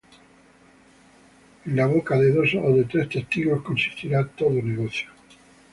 En la boca de dos ó de tres testigos consistirá todo negocio.